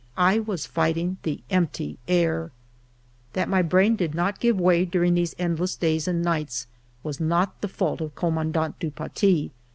I was fighting the empty air. That my brain did not give way during these endless days and nights, was not the fault of Com mandant du Paty.